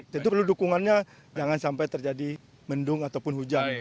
tentu perlu dukungannya jangan sampai terjadi mendung ataupun hujan